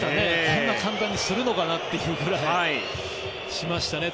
こんな簡単にするのかなっていうくらいしましたね。